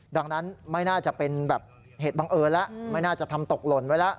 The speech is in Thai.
ดังนั้นไม่น่าจะเป็นแบบเหตุบังเอิญแล้วไม่น่าจะทำตกหล่นไว้แล้ว